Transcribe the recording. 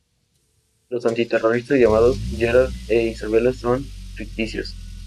Los antiterroristas llamados "Gerard" e "Isabella" son ficticios.